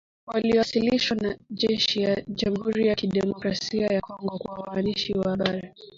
walioasilishwa na jeshi la Jamhuri ya kidemokrasia ya Kongo kwa waandishi wa habari